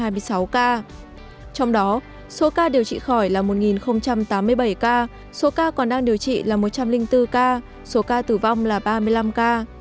trong đó số ca điều trị khỏi là một tám mươi bảy ca số ca còn đang điều trị là một trăm linh bốn ca số ca tử vong là ba mươi năm ca